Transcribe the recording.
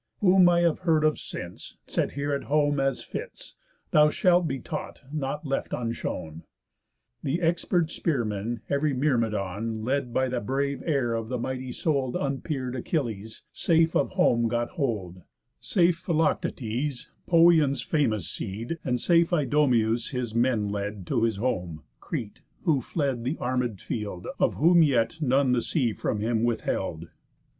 Whom I have heard of since, set here at home, As fits, thou shalt be taught, nought left unshown. The expert spear men, ev'ry Myrmidon, Led by the brave heir of the mighty soul'd Unpeer'd Achilles, safe of home got hold; Safe Philoctetes, Pœan's famous seed; And safe Idomenæus his men led To his home, Crete, who fled the arméd field, Of whom yet none the sea from him withheld.